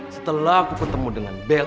setelah aku ketemu dengan bell